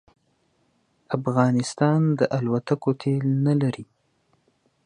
افغانستان د الوتکو تېل نه لري